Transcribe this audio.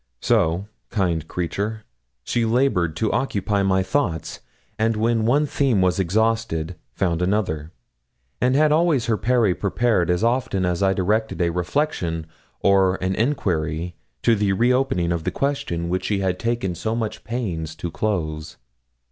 So, kind creature, she laboured to occupy my thoughts, and when one theme was exhausted found another, and had always her parry prepared as often as I directed a reflection or an enquiry to the re opening of the question which she had taken so much pains to close.